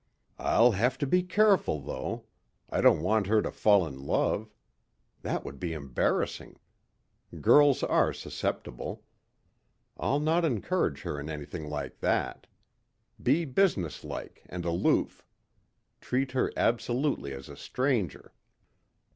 "I'll have to be careful though. I don't want her to fall in love. That would be embarassing. Girls are susceptible. I'll not encourage her in anything like that. Be businesslike and aloof. Treat her absolutely as a stranger."